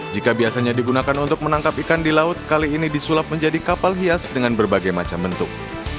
jika biasanya digunakan untuk menangkap ikan di laut kali ini disulap menjadi kapal hias dengan berbagai macam bentuk